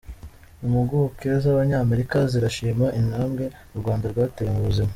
Impuguke z’Abanyamerika zirashima intambwe u Rwanda rwateye mu buzima